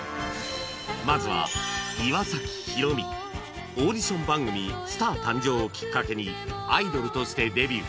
まずはオーディション番組『スター誕生！』をきっかけにアイドルとしてデビュー